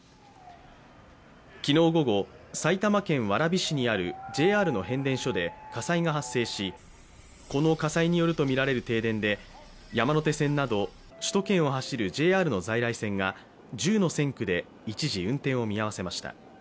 昨日午後、埼玉県蕨市にあるＪＲの変電所で火災が発生しこの火災によるとみられる停電で山手線など首都圏を走るＪＲの在来線が１０の線区で一時運転を見合わせました。